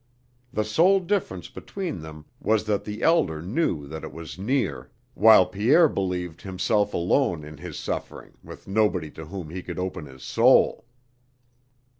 The sole difference between them was that the elder knew that it was near while Pierre believed himself alone in his suffering with nobody to whom he could open his soul.